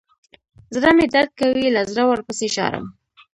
زړه مې درد کوي له زړه ورپسې ژاړم.